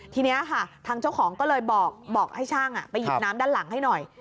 ทีนี้ค่ะทางเจ้าของก็เลยบอกให้ช่างไปหยิบน้ำด้านหลังให้หน่อย